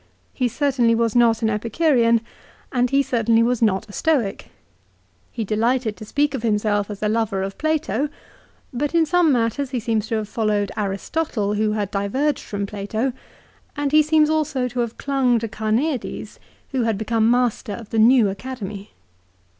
He certainly was not an Epicurean, and he certainly was not a Stoic. He delighted to speak of himself as a lover of Plato. But in some matters he seems to have followed Aristotle who had diverged from Plato, and he seems also to have clung to Carneades, who had become master of the new Academy.